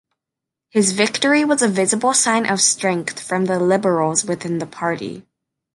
His victory was a visible sign of strength from the liberals within the party.